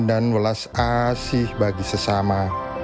dan melas asih bagi sesama